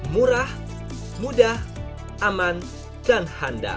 murah mudah aman dan handal